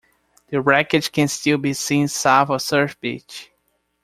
The wreckage can still be seen south of Surf Beach.